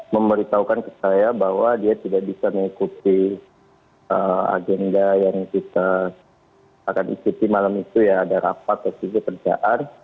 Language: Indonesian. memberitahukan ke saya bahwa dia tidak bisa mengikuti agenda yang kita akan ikuti malam itu ya ada rapat atau tujuh kerjaan